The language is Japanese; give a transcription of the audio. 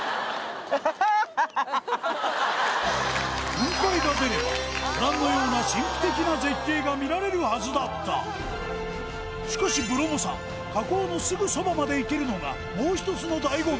雲海が出ればご覧のような神秘的な絶景が見られるはずだったしかしブロモ山火口のすぐそばまで行けるのがもう一つの醍醐味